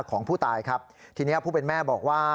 ของผู้ตายครับทีนี้ผู้เป็นแม่บอกว่า